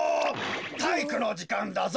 たいいくのじかんだぞ。